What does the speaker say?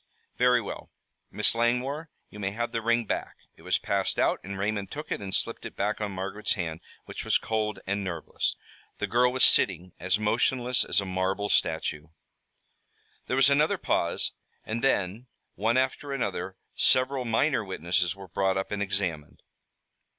"Very well. Miss Langmore, you may have the ring back." It was passed out and Raymond took it and slipped it back on Margaret's hand, which was cold and nerveless. The girl was sitting as motionless as a marble statue. There was another pause and then, one after another, several minor witnesses were brought up and examined.